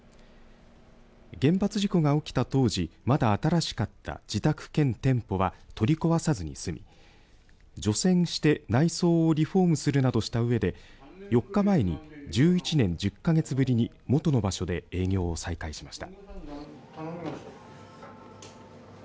原発事故が起きた当時まだ新しかった自宅兼店舗は取り壊さずに済み除染して、内装をリフォームするなどしたうえで４日前に１１年１０か月ぶりに元の場所で営業を再開しました。